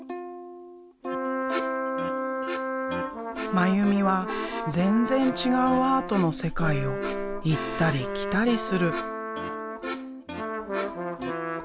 真由美は全然違うアートの世界を行ったり来たりする。